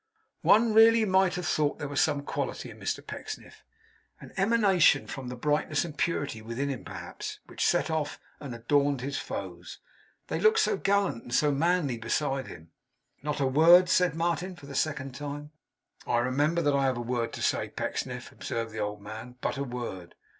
One really might have thought there was some quality in Mr Pecksniff an emanation from the brightness and purity within him perhaps which set off and adorned his foes; they looked so gallant and so manly beside him. 'Not a word?' said Martin, for the second time. 'I remember that I have a word to say, Pecksniff,' observed the old man. 'But a word.